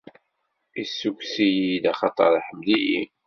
Issukkes-iyi-d, axaṭer iḥemmel-iyi.